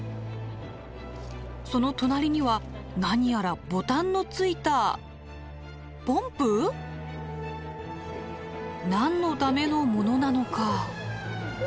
その隣には何やらボタンのついたポンプ？何のためのものなのか。